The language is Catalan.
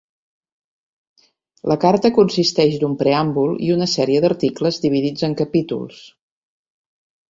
La Carta consisteix d'un preàmbul i una sèrie d'articles dividits en capítols.